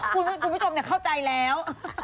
คุณผู้ชมเนี่ยเข้าใจแล้ว